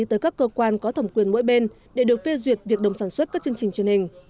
tới các cơ quan có thẩm quyền mỗi bên để được phê duyệt việc đồng sản xuất các chương trình truyền hình